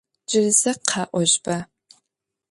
Джыри зэ къэӏожьба?